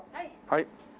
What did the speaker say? はい。